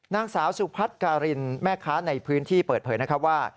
นางสาวสุพัฒน์การินแม่ค้าในพื้นที่เปิดเผยนะครับว่า